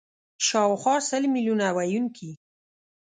شاوخوا سل میلیونه ویونکي